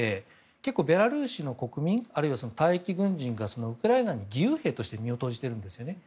結構、ベラルーシの国民あるいは退役軍人がウクライナに義勇兵として身を投じているんですよね。